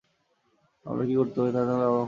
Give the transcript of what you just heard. আমরা কী করতে পারি তা জানলে অবাক হবে।